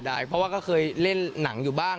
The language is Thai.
ได้เพราะว่าก็เคยเล่นหนังอยู่บ้าง